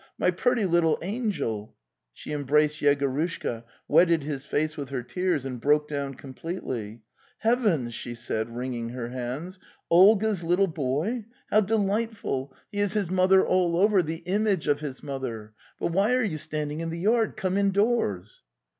My pretty little BUNNY 8 te NL) She embraced Yegorushka, wetted his face with her tears, and broke down completely. ' Eteavens!):') she.) said, wringing) her "hands, '"Olga's little boy! How delightful! He is his The Steppe 299 mother all over! The image of his mother! But why are you standing in the yard? Come indoors."